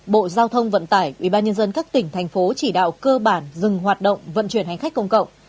bộ giao thông vận tải ubnd các tỉnh thành phố chỉ đạo cơ bản dừng hoạt động vận chuyển hành khách công cộng